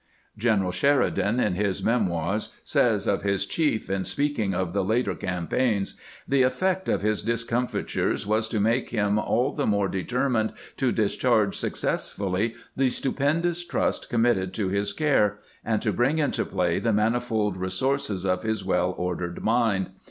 General Sheridan, in his " Memoirs," says of his chief, in speaking of the later campaigns :" The effect of his discomfitures was to make him all the more determined to discharge successfully the stupendous trust com mitted to his care, and to bring into play the manifold resources of his well ordered mind.